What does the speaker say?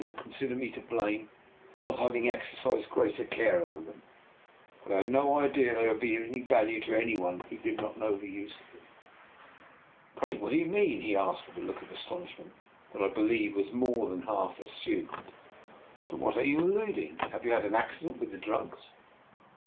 129 will consider me to blame for not having ex ercised greater care over them, but I had no idea they would be of any value to any one who did not know the use of them." " Pray what do you mean? " he asked, with a look of astonishment that I believe was more than half assumed. " To what are you alluding? Have you had an accident with the drugs?